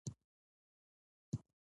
دې غوښتنې ورنه رسېږو.